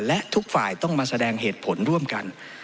และทุกฝ่ายต้องมาแสดงเหตุผลร่วมกัน